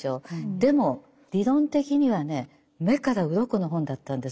でも理論的にはね目から鱗の本だったんです。